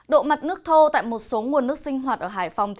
độ mặt nước thô tại một số nguồn nước sinh hoạt ở hải phòng